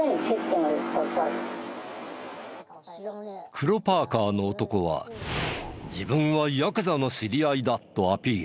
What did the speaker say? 黒パーカーの男は自分はヤクザの知り合いだとアピール。